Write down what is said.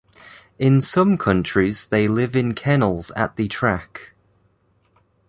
In some countries they live in kennels at the track.